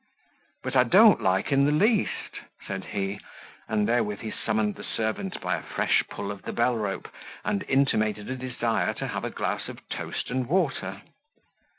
"But I don't like in the least," said he, and therewith he summoned the servant by a fresh pull of the bell rope, and intimated a desire to have a glass of toast and water.